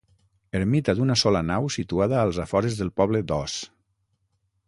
Ermita d'una sola nau situada als afores del poble d'Os.